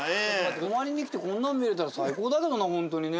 泊まりに来てこんなの見れたら最高だけどなほんとにね。